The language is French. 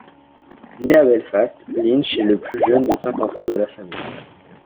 Né à Belfast, Lynch est le plus jeune des cinq enfants de la famille.